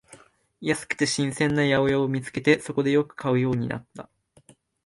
安くて新鮮な八百屋を見つけて、そこでよく買うようになった